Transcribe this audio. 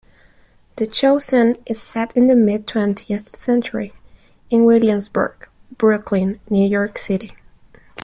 "The Chosen" is set in the mid-twentieth Century, in Williamsburg, Brooklyn, New York City.